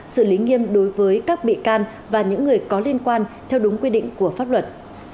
xử lý nghiêm đối với các bị can và những người có liên quan theo đúng quy định của pháp luật